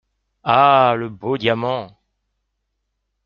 Ah ! le beau diamant !